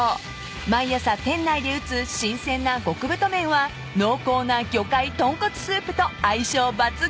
［毎朝店内で打つ新鮮な極太麺は濃厚な魚介豚骨スープと相性抜群］